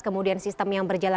kemudian sistem yang berjalan